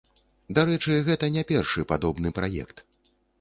Дарэчы, гэта не першы падобны праект.